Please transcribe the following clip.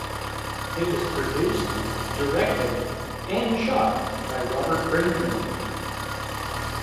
It was produced, directed and shot by Robert Brinkmann.